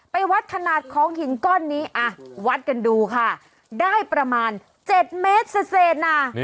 ไปวัดขนาดของหินก้อนนี้อ่ะวัดกันดูค่ะได้ประมาณ๗เมตรเศษนะ